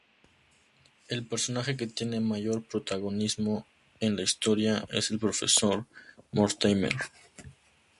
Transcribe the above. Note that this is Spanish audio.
El personaje que tiene mayor protagonismo en la historia es el profesor Mortimer.